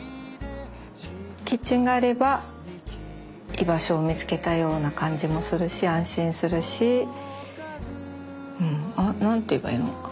キッチンがあれば居場所を見つけたような感じもするし安心するし何て言えばいいのか？